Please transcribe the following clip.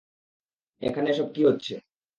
এখানে এসব কী হচ্ছে?